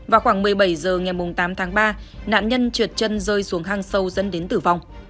vào khoảng một mươi bảy h ngày tám tháng ba nạn nhân trượt chân rơi xuống hang sâu dẫn đến tử vong